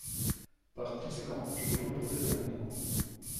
Par conséquent, je demande le retrait de l’amendement.